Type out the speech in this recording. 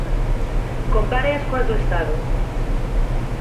Compáreas coas do Estado.